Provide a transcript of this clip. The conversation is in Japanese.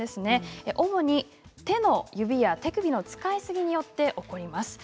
主に手の指や手首の使いすぎによって起こります。